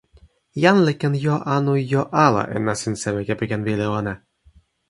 jan li ken jo anu jo ala e nasin sewi kepeken wile ona.